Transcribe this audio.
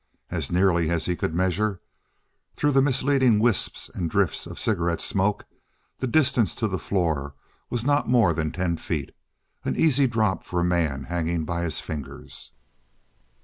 As nearly as he could measure, through the misleading wisps and drifts of cigarette smoke, the distance to the floor was not more than ten feet an easy drop for a man hanging by his fingers.